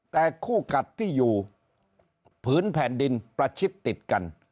แต่คู่กัดที่อยู่ผืนแผ่นดินประชิดติดกัน